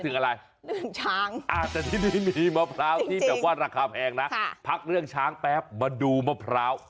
ถึงอะไรเรื่องช้างแต่ที่นี่มีมะพร้าวที่แบบว่าราคาแพงนะพักเรื่องช้างแป๊บมาดูมะพร้าว